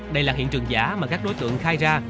đây là hiện trường giả mà các đối tượng khai ra